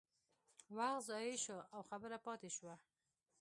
وخت ضایع شو او خبره پاتې شوه.